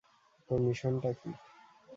তো, মিশনটা কী?